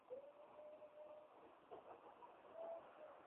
په پسرلي کې د ستورو چمک زیات ښکاري.